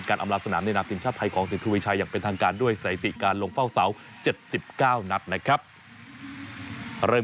ก็จะทำกากเป็นพอรพฤตของทีมชาติไทยไปลองฟังบางตอนกันครับ